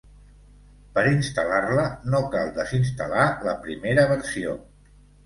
Per instal·lar-la no cal desinstal·lar la primera versió.